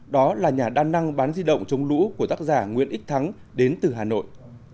đó là nhà đa năng bán di động chống lũ của tác giả nguyễn ích thắng đến từ hà nội